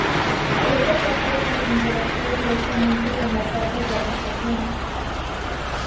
Esta capa es la que interactúa directamente con la capa de aplicación.